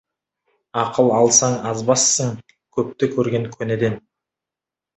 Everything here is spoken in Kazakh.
Ақыл алсаң, азбассың, көпті көрген көнеден.